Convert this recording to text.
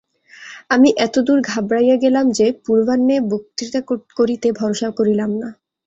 আমি এতদূর ঘাবড়াইয়া গেলাম যে, পূর্বাহ্নে বক্তৃতা করিতে ভরসা করিলাম না।